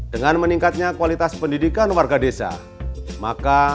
dengan meningkatnya kualitas pendidikan warga desa